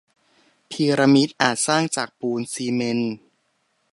พีระมิดอาจสร้างจากปูนซีเมนต์